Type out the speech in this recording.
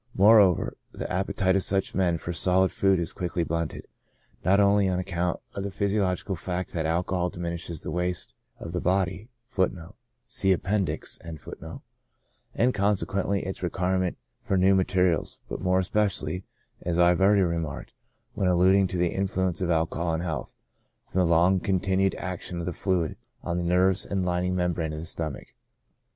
More over, the appetite of such men for solid food is quickly blunted, not only on account of the physiological fact that alcohol diminishes the waste of the body,* and consequently its requirements for new materials, but more especially, as I have already remarked, when alluding to the influence of alcohol on health, from the long continued action of the fluid on the nerves and lining membrane of the stomach.